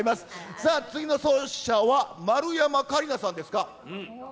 さあ、次の走者は、丸山桂里奈さんですか？